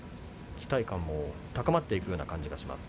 期待感も高まっていくような感じでした。